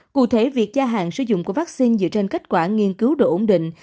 cụ thể việc gia hạn sử dụng của vaccine dựa trên kết quả nghiên cứu độ ổn định